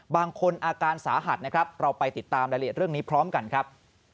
บางคนอาการสาหัสนะครับเราไปติดตามรายละเอียดเรื่องนี้พร้อมกันครับ